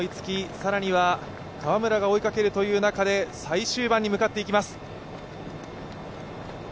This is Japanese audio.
更には川村が追いかけるという中で、最終盤に向かっていきます。